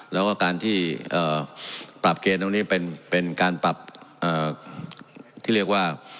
แล้วก็การที่ปรับเกณฑ์ตรงนี้เป็นการปรับที่เรียกว่า